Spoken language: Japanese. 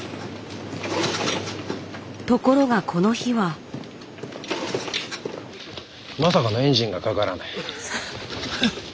ところがこの日はまさかのエンジンがかからない。